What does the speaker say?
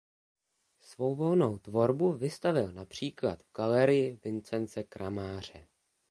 Svou volnou tvorbu vystavil například v Galerii Vincence Kramáře.